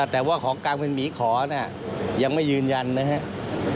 แต่ว่าของกลางเป็นหมีขอยังไม่ยืนยันนะครับ